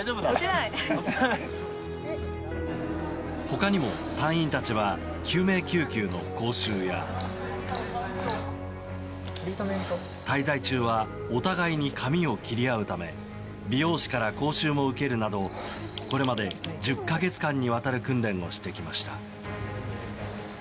他にも隊員たちは救命救急の講習や滞在中はお互いに髪を切り合うため美容師から講習も受けるなどこれまで１０か月間にわたる訓練をしてきました。